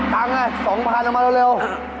ตังน่ะ๒๐๐๐ออกมาเร็ว๒๐๐๐